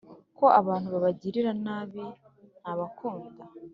ko abantu babagirira nabi ntabakunda